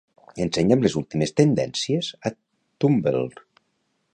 Ensenya'm les últimes tendències a Tumblr.